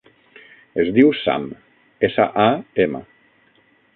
Es diu Sam: essa, a, ema.